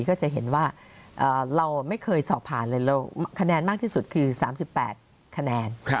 ก็จะเห็นว่าเราไม่เคยสอบผ่านเลยคะแนนมากที่สุดคือ๓๘คะแนน